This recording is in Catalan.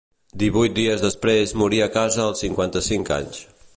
Divuit dies després moria a casa als cinquanta-cinc anys.